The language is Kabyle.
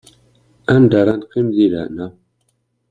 Anda ara neqqim deg lehna.